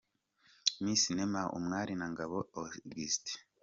Miss Neema Umwali na Ngabo Augustin.